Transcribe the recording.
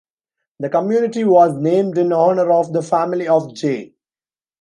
The community was named in honor of the family of J.